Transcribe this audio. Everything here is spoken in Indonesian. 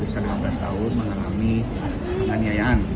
yang sudah delapan belas tahun mengalami penganiayaan